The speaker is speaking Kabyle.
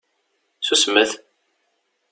Susmet!